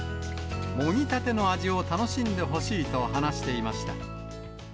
もぎたての味を楽しんでほしいと話していました。